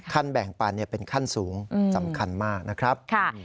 แบ่งปันเป็นขั้นสูงสำคัญมากนะครับ